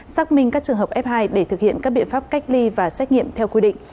xác minh các trường hợp f hai để thực hiện các biện pháp cách ly và xét nghiệm theo quy định